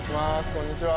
こんにちは